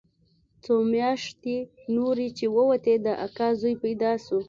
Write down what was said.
څو مياشتې نورې چې ووتې د اکا زوى پيدا سو.